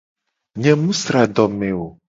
Nye mu sra adome o.